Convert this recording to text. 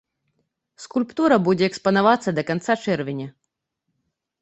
Скульптура будзе экспанавацца да канца чэрвеня.